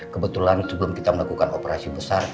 kebetulan sebelum kita melakukan operasi besar